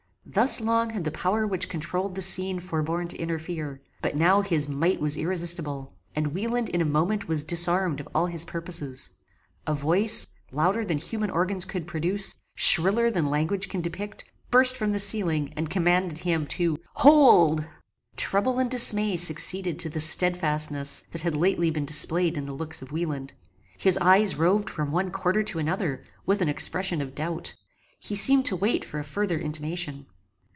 Thus long had the power which controuled the scene forborne to interfere; but now his might was irresistible, and Wieland in a moment was disarmed of all his purposes. A voice, louder than human organs could produce, shriller than language can depict, burst from the ceiling, and commanded him TO HOLD! Trouble and dismay succeeded to the stedfastness that had lately been displayed in the looks of Wieland. His eyes roved from one quarter to another, with an expression of doubt. He seemed to wait for a further intimation.